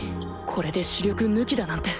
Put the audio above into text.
これで主力抜きだなんて